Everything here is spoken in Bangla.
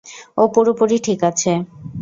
ও পুরোপুরি ঠিক আছে।